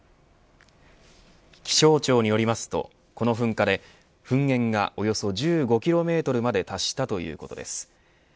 気象庁によりますとこの噴火で噴煙がおよそ１５キロメートルまで達したということです。